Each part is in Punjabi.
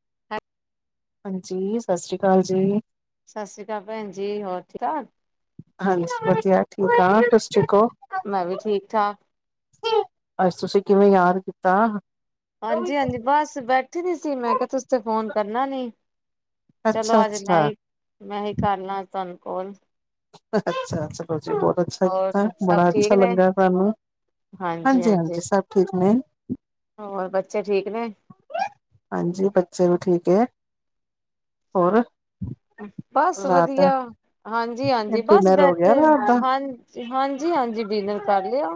[inaudible] ਹਾਂਜੀ, ਸਾਸ੍ਰੀ ਕਾਲ ਜੀ ਸਾਸ੍ਰੀ ਕਾਲ ਪੈਂਜੀ, ਹੋਰ ਠੀਕ ਠਾਕ ਹਾਂਜੀ, ਵਦੀਆ ਠੀਕ ਆਂ ਤੁਸੀ ਠੀਕੋ ਮੈਂ ਵੀ ਠੀਕ ਠਾਕ ਅੱਛ ਤੁਸੀ ਕਿਵੇਂ ਯਾਦ ਕੀਤਾ ਹਾਂਜੀ-ਹਾਂਜੀ ਬਾੱਸ ਬੈਠੀ ਦੀ ਸੀ ਮੈਂ ਕੇਆ ਤੁਸੀ ਤੇ ਫੋਨ ਕਰਨਾ ਨੀ ਚਲੋ ਅੱਛਾ ਆੱਜ ਅੱਛਾ ਮੈਂ ਹੀ, ਮੈਂ ਹੀ ਕਰਲਾ ਆੱਜ ਤੋਆਨੂੰ ਕੋਲ ਅੱਛਾ-ਅੱਛਾ ਤੁਸੀ ਬੋਤ ਅੱਛਾ ਹੋਰ ਕੀਤਾ, ਬੜਾ ਅੱਛਾ ਲੱਗਾ ਤਾਨੂੰ ਹਾਂਜੀ-ਹਾਂਜੀ। ਹਾਂਜੀ, ਸਭ ਠੀਕ ਨੇ ਹੋਰ ਬੱਚੇ ਠੀਕ ਨੇ ਹਾਂਜੀ, ਬੱਚੇ ਵੀ ਠੀਕ ਏ। ਹੋਰ ਬਾੱਸ ਰਾਤ ਦਾ ਵਦੀਆ‌ ਹਾਂਜੀ-ਹਾਂਜੀ ਬਾੱਸ ਡਿਨਰ ਹੋ ਗਿਆ ਬੈਠੇ ਰਾਤ ਦਾ ਹਾਂ ਹਾਂਜੀ-ਹਾਂਜੀ ਡੀਨਰ ਕਾੱਰ ਲੇਆ।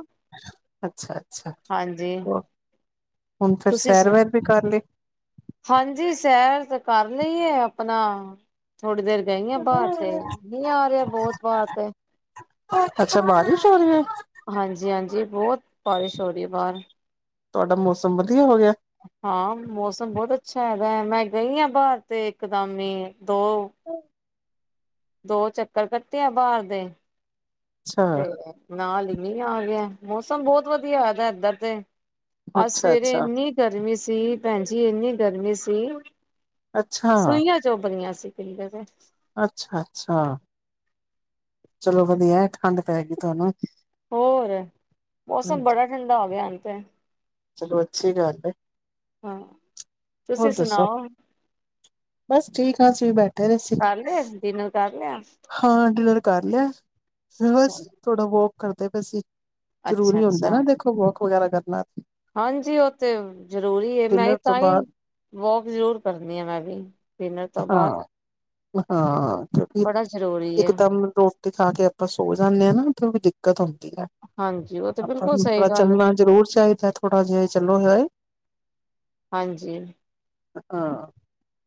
ਅੱਛਾ-ਅੱਛਾ ਹੋਰ ਹੁਨ ਫੇਰ ਤੁਸੀਂ ਸੈਰ ਸੁਣਾ ਵੈਰ ਵੀ ਕਾਰਲੀ। ਹਾਂਜੀ, ਸੈਰ ਤੇ ਕਾਰਲੀ ਏ ਆਪਨਾ ਥੋੜੀ ਦੇਰ ਗਈ ਆ ਬਾਰ ਤੇ, ਮੀ ਆ ਰੇਆ ਬੋਤ ਬਾਰ ਤੇ। ਅੱਛਾ ਬਾਰਿਸ਼ ਹੋਰੀ ਏ? ਹਾਂਜੀ-ਹਾਂਜੀ, ਬੋਤ ਬਾਰਿਸ਼ ਹੋਰੀ ਏ ਬਾਰ। ਤੋਆਡਾ ਮੌਸਮ ਵਦੀਆ ਹੋਗੇਆ। ਹਾਂ, ਮੌਸਮ ਬੋਤ ਅੱਛਾ ਹੈਗਾ ਐ, ਮੈਂ ਗਈ ਆ ਬਾਰ ਤੇ ਏਕਦਮ ਈ ਦੋ [inaudible] ਦੋ ਚੱਕਰ ਕੱਟੇ ਐ ਬਾਰ ਦੇ ਅੱਛਾ ਤੇ ਨਾਲ ਈ ਮੀਂ ਆਗੇਆ, ਮੌਸਮ ਬੋਤ ਵਦੀਆ ਹੋਆ ਦਾ ਏਧਰ ਤੇ ਆੱਜ ਅੱਛਾ ਸਵੇਰੇ ਅੱਛਾ ਏਨੀ ਗਰਮੀ ਸੀ, ਪੈਂਜੀ ਏਨੀ ਗਰਮੀ ਸੀ। ਅੱਛਾ ਸੂਈਆਂ ਚੋਬ ਰੀਆਂ ਸੀ ਪਿੰਡੇ ਤੇ ਅੱਛਾ-ਅੱਛਾ। ਚਲੋ ਵਦੀਆ ਐ ਠਾੰਡ ਪੈਗੀ ਤੋਆਨੂੰ। ਹੋਰ, ਮੌਸਮ ਬੜਾ ਠੰਡਾ ਹੋਗੇਆ ਹੁਨ ਤੇ ਚੱਲੋ ਅੱਛੀ ਗਾੱਲ ਏ, ਹਾਂ ਤੁਸੀਂ ਹੋਰ ਦੱਸੋ। ਸੁਣਾਓ ਬਸ ਠੀਕ ਆਂ ਅਸੀ ਬੈ ਫੇਰ ਅਸੀ, ਕਰ ਲਿਆ ਡਿਨਰ ਕਰ ਲਿਆ ਹਾਂ ਡੀਨਰ ਕਾੱਰ ਲੇਆ ਬਸ ਥੋੜਾ ਵੋਕ ਕਰਦੇ ਪੇਸੀ, ਅੱਛਾ ਜਰੂਰੀ ਹੋਂਦਾ ਅੱਛਾ ਨਾ ਦੇਖੋ ਵੋਕ ਵਗੈਰਾ ਕਰਨਾ। ਹਾਂਜੀ, ਓ ਤੇ ਜ਼ਰੂਰੀ ਏ ਮੈਂਈ ਡਿਨਰ ਤੋਂ ਤਾਂਈ ਬਾਅਦ ਵੋਕ ਜ਼ਰੂਰ ਕਰਨੀ ਆ, ਮੈਂ ਵੀ ਡੀਨਰ ਤੋ ਬਾਦ। ਮ ਹਾਂ ਕਯੋਂਕਿ, ਜ਼ਰੂਰੀ ਹੈ ਇੱਕਦਮ ਰੋ ਟੀ ਖਾ ਕੇ ਆਪਾ ਸੋ ਜਾਂਨੇ ਆ ਨਾ, ਤੇ ਓਵੀ ਦਿੱਕਤ ਹੋਂਦੀ ਐ। ਹਾਂਜੀ ਉਹ ਤੇ ਆਪਾ ਬਿਲਕੁਲ ਨੂੰ ਸਹੀ ਥੋੜਾ ਗੱਲ ਚੱਲਨਾ ਜ਼ਰੂਰ ਚਾਈਦਾ ਥੋੜਾ ਜਾਈ ਚੱਲੋ ਹੈਂ। ਹਾਂਜੀ। ਹਾਂ।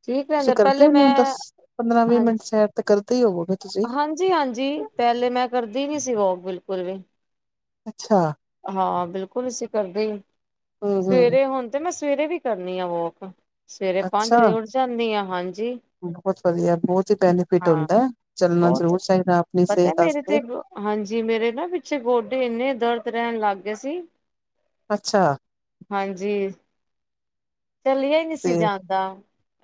ਠੀਕ ਤੁਸੀ ਰਹਿੰਦਾ ਕਰਦੇ ਪਹਿਲੇ ਹੋਂਨੇ ਮੈਂ ਓ ਦਸ, ਪੰਦਰਾਂ ਵੀ ਮੇਂਟ ਸੈਰ ਤੇ ਕਰਦੇ ਈ ਹੋਵੋਗੇ ਤੁਸੀ। ਜੀ ਹਾਂਜੀ, ਪੈਲੇ ਮੈਂ ਕਰਦੀ ਨੀ ਸੀ ਵੋਕ ਬਿਲਕੁਲ ਵੀ। ਅੱਛਾ। ਹਾਂ ਬਿਲਕੁਲ ਅਸੀਂ ਕਰਦੇ ਹਮ ਹਮ ਸਵੇਰੇ ਹੁਣ ਤੇ ਮੈਂ ਸਵੇਰੇ ਵੀ ਕਰਨੀ ਆ ਵੋਕ ਸਵੇਰੇ ਪੰਜ ਅੱਛਾ ਵਜੇ ਉੱਠ ਜਾਂਦੀ ਹ ਹਾਂਜੀ ਬਹੁਤ ਵਧੀਆ ਬਹੁਤ ਹੀ ਬੈਨੀਫਿਟ ਹਾਂ ਹੁੰਦਾ ਚੱਲਣਾ ਬਹੁਤ ਜ਼ਰੂਰ ਚਾਈਦਾ ਆਪਣੀ ਪਤਾ ਸਿਹਤ ਮੇਰੇ ਵਾਸਤੇ ਤੇ ਹਾਂਜੀ ਮੇਰੇ ਨਾ ਪਿੱਛੇ ਗੋਡੇ ਇੰਨੇ ਦਰਦ ਰੈਣ ਲੱਗ ਗੇ ਸੀ‌। ਅੱਛਾ ਹਾਂਜੀ। ਚੱਲਿਆ ਈ ਨੀ ਤੇ ਸੀ ਜਾਂਦਾ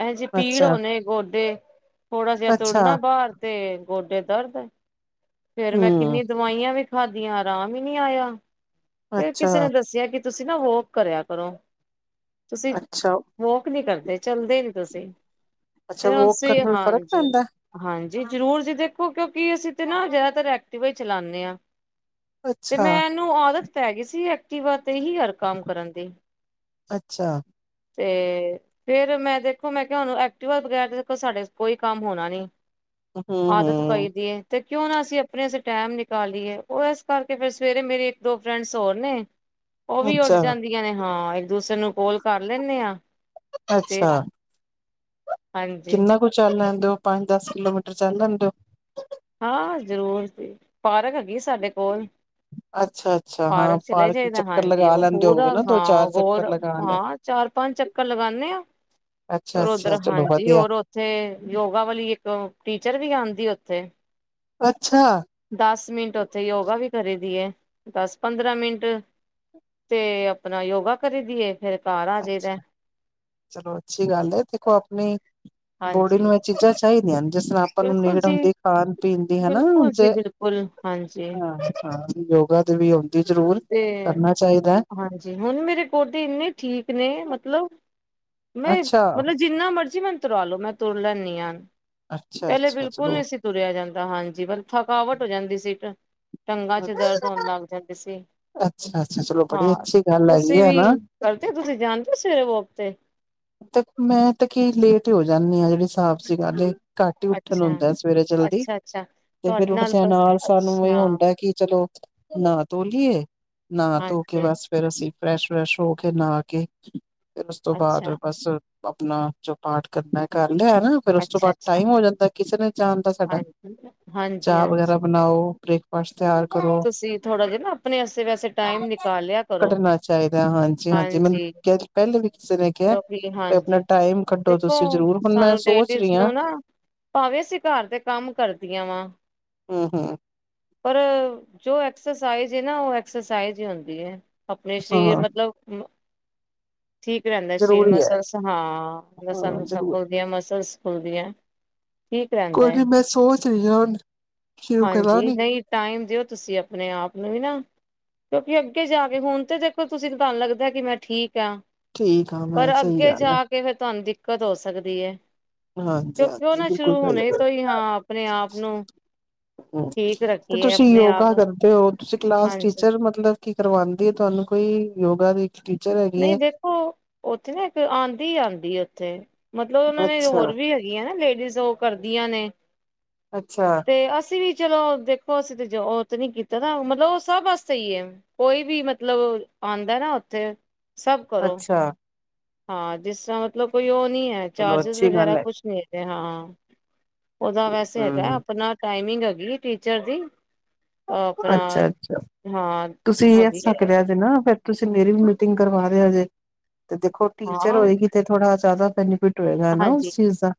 ਇਹੋ ਜਿਹੇ ਪੀੜ ਅੱਛਾ ਹੋਣੇ ਗੋਡੇ। ਥੋੜਾ ਜਿਹਾ ਅੱਛਾ ਤੁਰਨਾ ਬਾਹਰ ਤੇ ਗੋਡੇ ਦਰਦ। ਫੇਰ ਮੈਂ ਹੂੰ ਕਿੰਨੀ ਦਵਾਈਆਂ ਵੀ ਖਾਦੀਆਂ ਆਰਾਮ ਈ ਨੀ ਆਇਆ, ਫੇਰ ਅੱਛਾ ਕਿਸੇ ਨੇ ਦੱਸਿਆ ਕਿ ਤੁਸੀਂ ਨਾ ਵੋਕ ਕਰਿਆ ਕਰੋ, ਤੁਸੀਂ ਅੱਛਾ ਵੋਕ ਨੀ ਕਰਦੇ ਚੱਲਦੇ ਨੀ ਤੁਸੀਂ ਅੱਛਾ ਫੇਰ ਵੋਕ ਅਂਸੀ ਕਰਨ ਨਾਲ ਫ਼ਰਕ ਹਾਂਜੀ। ਪੈਂਦਾ ਹਾਂਜੀ ਜ਼ਰੂਰ ਜੀ ਦੇਖੋ ਕਿਉਂਕਿ ਅਸੀਂ ਤੇ ਨਾ ਜ਼ਿਆਦਾਤਰ ਐਕਟਿਵਾ ਈ ਚਲਾਨੇ ਆ। ਤੇ ਅੱਛਾ ਮੈਨੂੰ ਆਦਤ ਪੈ ਗਈ ਸੀ ਐਕਟਿਵਾ ਤੇ ਹੀ ਹਰ ਕੰਮ ਕਰਨ ਦੀ। ਅੱਛਾ ਤੇ ਫੇਰ ਮੈਂ ਦੇਖੋ ਮੈਂ ਕਿਹਾ ਹੁਣ ਐਕਟਿਵਾ ਬਗੈਰ ਦੇਖੋ ਸਾਡੇ ਕੋਈ ਕੰਮ ਹੋਣਾ ਨੀ। ਹੂੰ ਆਦਤ ਪਈ ਹੂੰ ਦੀਏ ਕਿਉਂ ਨਾ ਅਸੀਂ ਆਪਣੇ ਸ ਟਾਈਮ ਨਿਕਾਲੀਏ ਉਹ ਇਸ ਕਰਕੇ ਫਿਰ ਸਵੇਰੇ ਮੇਰੇ ਇੱਕ ਦੋ ਫਰੈਂਡਸ ਹੋਰ ਨੇ ਉਹ ਵੀ ਉੱਠ ਅੱਛਾ ਜਾਂਦੀਆਂ ਨੇ ਹਾਂ ਇੱਕ ਦੂਸਰੇ ਨੂੰ ਕੋਲ ਕਰ ਲੈਂਦੇ ਆ ਤੇ ਅੱਛਾ ਹਾਂਜੀ ਕਿੰਨਾ ਕੁ ਚੱਲ ਲੈਂਦੇ ਹੋ ਪੰਜ ਦਸ ਕਿਲੋਮੀਟਰ ਚੱਲ ਲੈਂਦੇ ਹੋ? ਹਾਂ ਜ਼ਰੂਰ ਜੀ ਪਾਰਕ ਹੈਗੀ ਸਾਡੇ ਕੋਲ ਅੱਛਾ ਅੱਛਾ ਹਾਂ ਪਾਰਕ ਚਲੇ ਨੂੰ ਜਾਈਦਾ ਚੱਕਰ ਹਾਂਜੀ ਲਗਾ ਉਹ ਲੈਂਦੇ ਹੋਗੇ ਪੂਰਾ ਨਾ ਦੋ ਹਾਂ ਚਾਰ ਚੱਕਰ ਗੋਰ ਲਗਾ ਲਏ ਹਾਂ ਚਾਰ ਪੰਜ ਚੱਕਰ ਲਗਾਂਦੇ ਆਾਂ ਅੱਛਾ ਹੋਰ ਉਦਰ ਅੱਛਾ ਚਲੋ ਹਾਂਜੀ ਵਧੀਆ ਹੋਰ ਥੇ ਯੋਗਾ ਵਾਲੀ ਇੱਕ ਟੀਚਰ ਵੀ ਆਂਦੀ ਉੱਥੇ ਅੱਛਾ ਦਸ ਮਿੰਟ ਉੱਥੇ ਯੋਗਾ ਵੀ ਕਰੀ ਦੀ ਹੈ ਦਸ ਪੰਦਰਾਂ ਮਿੰਟ ਤੇ ਆਪਣਾ ਯੋਗਾ ਕਰੀ ਦੀਏ ਫੇਰ ਘਰ ਆ ਜਾਈਦਾ ਚਲੋ ਅੱਛੀ ਗੱਲ ਹੈ ਦੇਖੋ ਆਪਣੀ ਬੋਡੀ ਹਾਂਜੀ ਨੂੰ ਇਹ ਚੀਜ਼ਾਂ ਚਾਹੀਦੀਆਂ ਨੇ ਜਿਸ ਨਾਲ ਆਪਾਂ ਨੂੰ ਬਿਲਕੁਲ ਜੀ ਨਿਗੜਨ ਦੀ ਖਾਣ ਪੀਣ ਦੀ ਹਨਾ ਬਿਲਕੁਲ ਜੀ ਜੇ ਬਿਲਕੁਲ ਹਾਂਜੀ ਹਾਂ ਹਾਂ ਯੋਗਾ ਦੀ ਵੀ ਆਂਦੀ ਜ਼ਰੂਰ ਤੇ ਕਰਨਾ ਚਾਈਦਾ ਹਾਂਜੀ ਹੁਣ ਮੇਰੇ ਗੋਡੇ ਇੰਨੇ ਠੀਕ ਨੇ ਮਤਲਬ ਮੈਂ ਅੱਛਾ ਮਤਲਬ ਜਿੰਨਾ ਮਰਜ਼ੀ ਮੈਨ ਤੁਰਾ ਲੋ ਮੈਂ ਤੁਰ ਲੈਂਦੀ ਹਾਂ ਅੱਛਾ ਪੈਲੇ ਅੱਛਾ ਬਿਲਕੁਲ ਚਲੋ ਨਹੀਂ ਸੀ ਤੁਰਿਆ ਜਾਂਦਾ ਹਾਂਜੀ ਪਰ ਥਕਾਵਟ ਹੋ ਜਾਂਦੀ ਸੀਟ ਟੰਗਾਂ ਚ ਦਰਦ ਹੋਣ ਲੱਗ ਜਾਂਦੀ ਸੀ। ਅੱਛਾ ਅੱਛਾ ਚਲੋ ਬੜੀ ਹਾਂ ਅੱਛੀ ਗੱਲ ਹੈਗੀ ਤੁਸੀਂ ਆਂ ਵੀ ਕਰਦੇ ਹੋ ਤੁਸੀਂ ਜਾਂਦੇ ਹੋ ਸਵੇਰੇ ਵੋਕ ਤੇ ਤੇ ਮੈਂ ਤੇ ਕੀ ਲੇਟ ਹੀ ਹੋ ਜਾਂਦੀ ਹਾਂ ਜਿਹੜੀ ਸਾਫ਼ ਜੀ ਗਲ ਏ ਇਹ ਘੱਟ ਹੀ ਉੱਠਣ ਅੱਛਾ ਹੁੰਦਾ ਸਵੇਰੇ ਜਲਦੀ ਅੱਛਾ ਅੱਛਾ ਤੇ ਫਿਰ ਤੁਹਾਡੇ ਉਠਦਿਆਂ ਨਾਲ ਸਾਨੂੰ ਇਹ ਅੱਛਾ ਹੁੰਦਾ ਕਿ ਚਲੋ ਨਾ ਧੋ ਲੀਏ ਨਾ ਤੋ ਕੇ ਹਾਂਜੀ ਬਸ ਫੇਰ ਅਸੀਂ ਫਰੈਸ਼ ਵਰੈਸ਼ ਹੋ ਕੇ ਨਹਾ ਕੇ ਫਿਰ ਉਸ ਤੋਂ ਬਾਅਦ ਅੱਛਾ ਬਸ ਆਪਣਾ ਜੋ ਪਾਠ ਕਰਨਾ ਕਰ ਲਿਆ ਫੇਰ ਉਸ ਤੋਂ ਅੱਛਾ ਬਾਅਦ ਅੱਛਾ ਟਾਈਮ ਹੋ ਜਾਂਦਾ ਕਿਸੇ ਨੇ ਜਾਣ ਦਾ ਸਾਡਾ ਹਾਂਜੀ, ਹਾਂਜੀ, ਚਾਹ ਵਗੈਰਾ ਹਾਂਜੀ ਬਣਾਓ ਬ੍ਰੇਕ ਪਾਸ ਤਿਆਰ ਕਰੋ? ਤੁਸੀਂ ਥੋੜਾ ਜਿਹਾ ਨਾ ਆਪਣੇ ਆਸੇ ਵੈਸੇ ਟਾਈਮ ਨਿਕਾਲਿਆ ਕਰੋ। ਕਡਨਾ ਚਾਹੀਦਾ। ਹਾਂਜੀ-ਹਾਂਜੀ, ਮੈਨੂੰ ਕਿਹਾ ਪੈਲੇ ਵੀ ਕਿਸੇ ਨੇ ਕਿਹਾ ਜ ਆਪਣਾ ਹਾਂਜੀ ਟਾਈਮ ਕੱਢੋ ਦੇਖੋ, ਤੁਸੀਂ ਜ਼ਰੂਰ ਹੁਣ ਮੈਂ ਸਾਨੂੰ ਸੋਚ ਲੇਡੀਜ਼ ਰਹੀ ਹਾਂ ਨੂੰ ਨਾ ਭਾਵੇਂ ਅਸੀਂ ਘਰ ਤੇ ਕੰਮ ਕਰਦੀਆਂ ਵਾਂ, ਹਮ-ਹਮ। ਪਰ ਜੋ ਐਕਸਰਸਾਈਜ਼ ਹੈ ਨਾ ਉਹ ਐਕਸਰਸਾਈਜ਼ ਹੀ ਹੁੰਦੀ ਏ ਆਪਣੇ ਸਰੀਰ ਹਾਂ ਮਤਲਬ ਠੀਕ ਰਹਿੰਦਾ ਸ਼ਰੀਰ ਜ਼ਰੂਰੀ ਹੈ ਮਸਲਸ ਹਾਂ। ਲਸਾਂ ਹਾਂ ਲਸਾਂ ਜ਼ਰੂਰ ਫੁਲਦੀਆਂ ਮ ਸਰ ਸਕੂਲ ਦੀਆਂ ਠੀਕ ਰਹਿੰਦਾ ਕੋਈ ਹੈ ਨੀ ਮੈਂ ਸੋਚ ਰਹੀ ਹਾਂ ਹੁਣ ਸ਼ੁਰੂ ਹਾਂਜੀ ਕਰਾਂਗੀ ਨਹੀਂ ਟਾਈਮ ਦਿਓ ਤੁਸੀਂ ਆਪਣੇ ਆਪ ਨੂੰ ਵੀ ਨਾ ਕਿਉਂਕਿ ਅੱਗੇ ਜਾ ਕੇ ਹੁਣ ਤੇ ਦੇਖੋ ਤੁਸੀਂ ਤੁਹਾਨੂੰ ਲੱਗਦਾ ਕਿ ਮੈਂ ਠੀਕ ਆ। ਠੀਕ ਆ ਪਰ ਮੈਂ ਸਹੀ ਅੱਗੇ ਗੱਲ ਹੈ ਜਾ ਕੇ ਫਿਰ ਤੁਹਾਨੂੰ ਦਿੱਕਤ ਹੋ ਸਕਦੀ ਐ। ਹਾਂਜੀ ਕਿਉਂਕਿ ਉਹ ਹਾਂਜੀ ਨਾ ਬਿਲਕੁਲ ਸ਼ੁਰੂ ਸਹੀ ਹੋਣੇ ਤੋਂ ਹੀ ਹਾਂ ਆਪਣੇ ਆਪ ਨੂੰ ਗੱਲ ਠੀਕ ਤੇ ਰੱਖੀਏ। ਤੁਸੀਂ ਆਪਣੇ ਆਪ ਯੋਗਾ ਨੂੰ ਕਰਦੇ ਹੋ ਤੁਸੀਂ ਕਲਾਸ ਹਾਂਜੀ ਟੀਚਰ ਮਤਲਬ ਕੀ ਕਰਵਾਉਂਦੀ ਹੈ ਤੁਹਾਨੂੰ ਕੋਈ ਯੋਗਾ ਦੀ ਟੀਚਰ ਹੈਗੀ ਨਹੀਂ ਹੈ। ਦੇਖੋ ਉੱਥੇ ਨਾ ਇੱਕ ਆਉਂਦੀ ਆਉਂਦੀ ਉੱਥੇ ਮਤਲਬ ਉਹਨਾਂ ਨੇ ਅੱਛਾ, ਹੋਰ ਵੀ ਨਾ ਲੇਡੀਜ਼ ਉਹ ਕਰਦੀਆਂ ਨੇ। ਅੱਛਾ। ਤੇ ਅਸੀਂ ਵੀ ਚਲੋ ਦੇਖੋ ਅਸੀਂ ਤੇ ਉਹ ਤੇ ਨੀ ਕੀਤਾ ਨਾ ਮਤਲਬ ਉਹ ਸਭ ਵਾਸਤੇ ਹੀ ਹੈ। ਕੋਈ ਵੀ ਮਤਲਬ ਆਉਂਦਾ ਨਾ ਉੱਥੇ ਸਭ ਕਰੋ। ਅੱਛਾ ਹਾਂ ਜਿਸ ਤਰ੍ਹਾਂ ਮਤਲਬ ਕੋਈ ਉਹ ਨਹੀਂ ਹੈ। ਚਲੋ ਚਾਰਜਿਸ ਅੱਛੀ ਵਗੈਰਾ ਗੱਲ ਹੈ ਕੁਛ ਨੀ ਹੈਗੇ ਹਾਂ ਉਹਦਾ ਵੈਸੇ ਹੈਗਾ ਹਮ। ਆਪਣਾ। ਟਾਈਮਿੰਗ ਹੈਗੀ ਏ ਟੀਚਰ ਦੀ। ਆਪਣਾ ਅੱਛਾ ਅੱਛਾ ਹਾਂ ਤੁਸੀ ਹੈਗੀ ਐਸ ਤਰਹਾ ਹੈ ਕਰ ਜਯਾ ਜੇ ਨਾ ਫਿਰ ਤੁਸੀਂ ਮੇਰੀ ਵੀ ਮੀਟਿੰਗ ਕਰਵਾ ਦਿਆਂ ਜੇ ਤੇ ਦੇਖੋ ਟੀਚਰ ਹਾਂ ਹੋਏਗੀ ਤੇ ਥੋੜਾ ਜ਼ਿਆਦਾ ਬੈਨੀਫਿਟ ਹੋਗਾ ਨਾ ਹਾਂਜੀ ਉਸ ਚੀਜ਼ ਦਾ।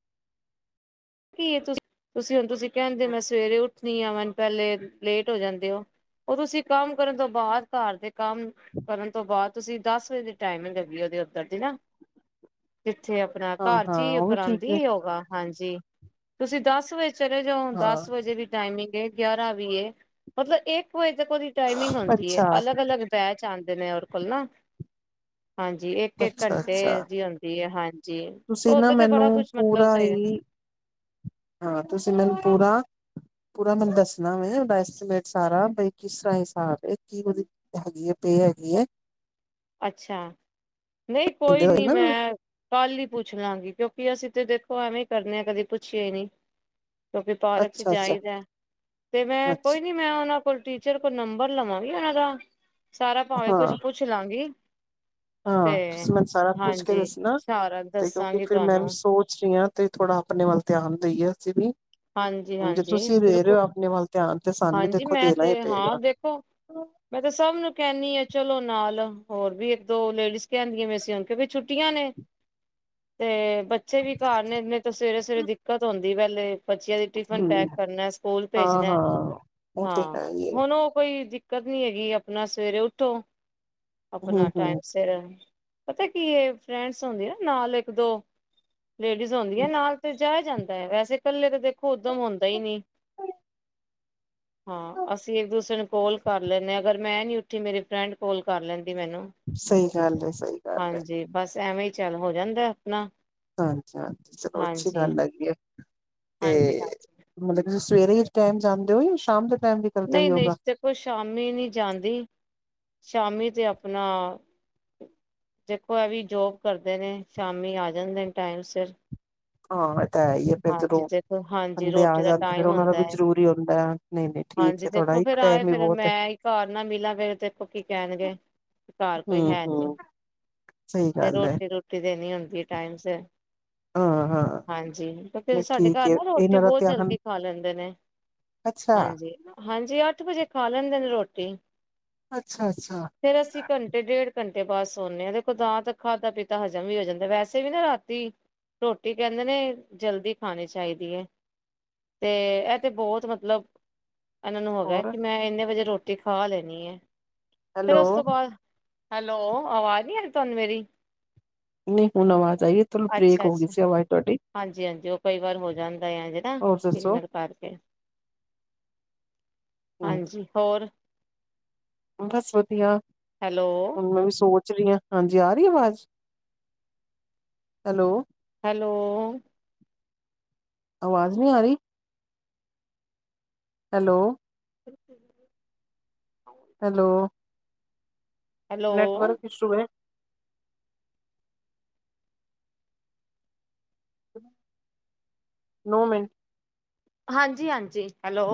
ਕੀ ਏ ਤੁਸੀ ਹੁਣ ਤੁਸੀ ਕਹਿੰਦੇ ਓ ਮੈਂ ਸਵੇਰੇ ਉੱਠਣੀ ਆ ਮੈ ਪਹਿਲੇ ਲੇਟ ਹੋ ਜਾਂਦੇ ਓ। ਉਹ ਤੁਸੀਂ ਕੰਮ ਕਰਨ ਤੋਂ ਬਾਅਦ ਘਰ ਦੇ ਕੰਮ ਕਰਨ ਤੋਂ ਬਾਅਦ ਤੁਸੀਂ ਦਸ ਵਜੇ ਦੀ ਟਾਈਮਿੰਗ ਹੈਗੀ ਏ ਓਹਦੀ ਉੱਧਰ ਦੀ ਨਾ। ਜਿੱਥੇ ਆਪਣਾ ਹਾਂ, ਘਰ ਚ ਹਾਂ ਹੀ ਉਹ ਵੀ ਠੀਕ ਕਰਾਉਂਦੀ ਨੇ। ਏ ਯੋਗਾ। ਹਾਂਜੀ। ਤੁਸੀਂ ਦਸ ਵਜੇ ਚਲੇ ਜਾਓ। ਹਾਂ ਦਸ ਵਜੇ ਵੀ ਟਾਈਮਿੰਗ ਏ ਗਿਆਰਾਂ ਵੀ ਏ ਮਤਲਬ ਇੱਕ ਵਜੇ ਤੱਕ ਉਹਦੀ ਟਾਈਮਿੰਗ ਹੁੰਦੀ ਏ। ਅੱਛਾ, ਅਲੱਗ-ਅਲੱਗ ਪੈ ਚ ਆਉਂਦੇ ਨੇ ਉਹਦੇ ਕੋਲ ਨਾ ਹਾਂਜੀ। ਇੱਕ ਇੱਕ ਘੰਟੇ ਜੀ ਆਉਂਦੀ ਹੈ ਹਾਂਜੀ। ਤੁਸੀ ਨਾ ਓਦਾਂ ਤੇ ਬੜਾ ਮੈਨੂੰ ਕੁਛ ਮਤਲਬ ਪੂਰਾ ਸਹੀ ਹੀ ਹਾਂ। ਤੁਸੀਂ ਮੈਨੂੰ ਪੂਰਾ ਪੂਰਾ ਮੈਨੂੰ ਦੱਸਣਾ ਵੇ ਉੱਦਾ ਐਸਟੀਮੇਟ ਸਾਰਾ ਭਇ ਕਿਸ ਤਰਹਾ ਹਿਸਾਬ ਏ ਕਿ ਕੁਜ ਹੈਗੀ ਏ ਪੇ ਹੈਗੀ ਹੈ। ਅੱਛਾ ਨਹੀਂ ਕੋਈ ਨੀ ਨਾ ਮੈਂ ਕੱਲ ਹੀ ਪੁੱਛ ਲਾਂਗੀ ਕਿਉਂਕਿ ਅਸੀਂ ਤੇ ਦੇਖੋ ਐਵੇਂ ਹੀ ਕਰਨੇ ਆਂ ਕਦੇ ਪੁੱਛਿਆ ਹੀ ਨਹੀ। ਕਿਉਕਿ ਪਾਰਕ ਚ ਅੱਛਾ ਅੱਛਾ ਜਾਈਦਾ ਤੇ ਮੈਂ ਅੱਛਾ ਕੋਈ ਨੀ ਮੈਂ ਉਹਨਾਂ ਕੋਲ ਟੀਚਰ ਕੋਲ ਨੰਬਰ ਲਵਾਂਗੀ ਉਹਨਾਂ ਦਾ ਸਾਰਾ ਭਾਵੇਂ ਹਾਂ ਕੁਛ ਪੁੱਛ ਲਾਂਗੀ। ਤੇ ਹਾਂ। ਤੁਸੀਂ ਮੈਨੂੰ ਸਾਰਾ ਪੁੱਛ ਕੇ ਹਾਂਜੀ ਦੱਸਣਾ ਸਾਰਾ ਤੇ ਕਿਉਂਕਿ ਦੱਸਾਂਗੀ ਫਿਰ ਮੈਂ ਤੁਹਾਨੂੰ ਵੀ ਸੋਚ ਰਹੀ ਆਂ। ਤੇ ਥੋੜਾ ਆਪਣੇ ਵੱਲ ਧਿਆਨ ਦੇਈਏ ਅਸੀਂ ਵੀ ਹੁਣ ਜੇ ਹਾਂਜੀ-ਹਾਂਜੀ ਤੁਸੀਂ ਰਹਿ ਰਹੇ ਬਿਲਕੁਲ ਹੋ ਆਪਣੇ ਵੱਲ ਧਿਆਨ। ਤੇ ਸਾਨੂੰ ਵੀ ਹਾਂਜੀ ਦੇਖੋ ਮੈਂ ਦੇਣਾ ਹੀ ਤੇ ਹਾਂ ਪਏਗਾ। ਦੇਖੋ ਮੈਂ ਤਾਂ ਸਭ ਨੂੰ ਕਹਿਣੀਆ ਚਲੋ ਨਾਲ ਹੋਰ ਵੀ ਇੱਕ ਦੋ ਲੇਡੀਜ਼ ਕਹਿੰਦੀਆਂ ਵੇ ਸੀ ਕਿਉਂਕਿ ਛੁੱਟੀਆਂ ਨੇ। ਤੇ ਬੱਚੇ ਵੀ ਘਰ ਨੇ ਨਈ ਤਾਂ ਸਵੇਰੇ ਸਵੇਰੇ ਦਿੱਕਤ ਹੁੰਦੀ ਏ ਪਹਿਲੇ। ਬੱਚਿਆਂ ਦੀ ਟਿਫਨ ਹਮ ਪੈਕ ਕਰਨਾ ਸਕੂਲ ਹਾਂ ਭੇਜਣਾ। ਹਾਂ ਉਹ ਤੇ ਹਾਂ ਹੈ ਹੀ ਏ ਹੁਣ ਉਹ ਕੋਈ ਦਿੱਕਤ ਨੀ ਹੈਗੀ। ਆਪਣਾ ਸਵੇਰੇ ਉਠੋ। ਹਮ ਆਪਣਾ ਟਾਈਮ ਹਮ ਸਿਰ ਪਤਾ ਕੀ ਇਹ ਫਰੈਂਡਸ ਹੁੰਦੀ ਨਾ ਨਾਲ ਇੱਕ ਦੋ ਲੇਡੀਜ਼ ਹੁੰਦੀਆਂ ਨਾਲ ਤੇ ਜਾਇਆ ਜਾਂਦਾ ਐ ਵੈਸੇ ਇਕੱਲੇ ਤਾਂ ਦੇਖੋ ਉਦਮ ਹੁੰਦਾ ਹੀ ਨਹੀਂ। ਹਾਂ ਅਸੀਂ ਇੱਕ ਦੂਸਰੇ ਨੂੰ ਕੋਲ ਕਰ ਲੈਂਣੇ ਆ ਅਗਰ ਮੈਂ ਨੀ ਉੱਠੇ ਮੇਰੀ ਫਰੈਂਡ ਕੋਲ ਕਰ ਲੈਂਦੀ ਮੈਨੂੰ। ਸਹੀ ਗੱਲ ਏ ਸਹੀ ਗੱਲ ਏ। ਹਾਂਜੀ ਬਸ ਐਵੇਂ ਹੀ ਚੱਲ ਹੋ ਜਾਂਦਾ ਆਪਣਾ। ਹਾਂਜੀ ਹਾਂਜੀ ਚਲੋ ਅੱਛੀ ਹਾਂਜੀ ਗੱਲ ਹੈਗੀ ਆ ਹਾਂਜੀ ਤੇ ਹਾਂਜੀ ਮਤਲਬ ਤੁਸੀਂ ਸਵੇਰੇ ਟਾਈਮ ਜਾਂਦੇ ਹੋ ਜਾਂ ਸ਼ਾਮ ਦੇ ਟਾਈਮ ਵੀ ਕਰਦੇ ਹੋ ਨਹੀਂ ਨਹੀਂ ਯੋਗਾ ਦੇਖੋ ਸ਼ਾਮੀ ਨੀ ਜਾਂਦੀ ਸ਼ਾਮੀ ਤੇ ਆਪਣਾ। ਦੇਖੋ ਇਹ ਵੀ ਜੋਬ ਕਰਦੇ ਨੇ ਸ਼ਾਮੀ ਆ ਜਾਂਦੇ ਨੇ ਟਾਈਮ ਸਿਰ। ਹਾਂ ਇਹ ਤਾਂ ਹੈ ਹੀ ਹੈ, ਫਿਰ ਹਾਂਜੀ ਜਦੋਂ ਦੇਖੋ ਹਾਂਜੀ ਬੰਦੇ ਆ ਰੋਟੀ ਦਾ ਜਾਂਦੇ, ਫਿਰ ਟਾਈਮ ਉਹਨਾਂ ਦਾ ਹੁੰਦਾ ਵੀ ਹੈ ਜ਼ਰੂਰੀ ਹੀ ਹੁੰਦਾ ਹੈ। ਨਹੀਂ ਨਹੀਂ ਠੀਕ ਹਾਂਜੀ। ਹੈ ਥੋੜਾ ਦੇਖੋ ਇੱਕ ਫੇਿਰ ਆਏ ਟਾਈਮ ਵੀ ਫਿਰ ਬਹੁਤ ਹੈ ਮੈਂ ਹੀ ਘਰ ਨਾ ਮਿਲਾਂ ਫਿਰ ਦੇਖੋ ਕੀ ਕਹਿਣਗੇ। ਘਰ ਕੋਈ ਹਮ ਹੈ ਨੀ। ਹਮ ਸਹੀ ਤੇ ਗੱਲ ਐ। ਰੋਟੀ ਦੇਣੀ ਹੁੰਦੀ ਟਾਈਮ ਸਿਰ। ਹਾਂ ਹਾਂ ਹਾਂਜੀ, ਕਿਉਕਿ ਨਹੀਂ ਸਾਡੇ ਠੀਕ ਘਰ ਹੈ ਨਾ ਰੋਟੀ ਇਹਨਾਂ ਦਾ ਬੋਹ ਧਿਆਨ ਜਲਦੀ ਖਾ ਲੈਂਦੇ ਨੇ। ਅੱਛਾ ਹਾਂਜੀ-ਹਾਂਜੀ, ਅੱਠ ਵਜੇ ਖਾ ਲੈਂਦੇ ਨੇ ਰੋਟੀ। ਅੱਛਾ-ਅੱਛਾ। ਫੇਰ ਅਸੀਂ ਘੰਟੇ ਡੇਢ ਘੰਟੇ ਬਾਅਦ ਸੌਂਨਦੇ ਆ, ਦੇਖੋ ਤਾਂ ਤੱਕ ਖਾਧਾ ਪੀਤਾ ਹਜ਼ਮ ਵੀ ਹੋ ਜਾਂਦਾ, ਵੈਸੇ ਵੀ ਨਾ ਰਾਤੀ। ਰੋਟੀ ਕਹਿੰਦੇ ਨੇ, ਜਲਦੀ ਖਾਣੀ ਚਾਹੀਦੀ ਹੈ। ਤੇ, ਇਹ ਤੇ ਬਹੁਤ ਮਤਲਬ। ਇਹਨਾਂ ਨੂੰ ਹੋ ਗਿਆ ਹੋਰ ਕਿ, ਮੈਂ ਇੰਨੇ ਵਜੇ ਰੋਟੀ ਖਾ ਲੈਣੀ ਐ। ਫਿਰ ਹੈਲੋ ਉਸ ਤੋਂ ਬਾਅਦ। ਹੈਲੋ! ਆਵਾਜ਼ ਨੀ ਆਰੀ ਤੁਹਾਨੂੰ ਮੇਰੀ। ਨਹੀਂ ਹੁਣ ਆਵਾਜ਼ ਆਈਏ ਚਲੋ ਬ੍ਰੇਕ ਅੱਛਾ ਹੋ ਗਈ ਅੱਛਾ ਸੀ ਆਵਾਜ਼ ਤੁਹਾਡੀ। ਹਾਂਜੀ ਹਾਂਜੀ, ਉਹ ਕਈ ਵਾਰ ਹੋ ਜਾਂਦਾ ਆ ਜਿਹੜਾ ਹੋਰ ਦੱਸੋ ਸਿਗਨਲ ਕਰਕੇ। ਹਮ ਹਾਂਜੀ ਹੋਰ। ਬਸ ਵਧੀਆ। ਹੈਲੋ। ਹੁ ਮੈਂ ਵੀ ਸੋਚ ਰਹੀ ਹ ਹਾਂਜੀ, ਆ ਰਹੀ ਅਵਾਜ਼, ਹੈਲੋ। ਹੈਲੋ। ਆਵਾਜ਼ ਨਹੀਂ ਆ ਰਹੀ। Hello. Hello. Hello network issue ਹੈ। ਨੌ ਮਿੰਟ। ਹਾਂਜੀ ਹਾਂਜੀ ਹੈਲੋ।